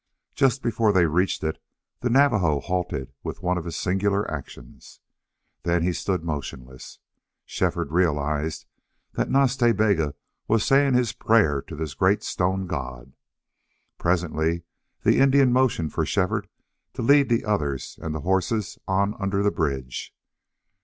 Just before they reached it the Navajo halted with one of his singular actions. Then he stood motionless. Shefford realized that Nas Ta Bega was saying his prayer to this great stone god. Presently the Indian motioned for Shefford to lead the others and the horses on under the bridge.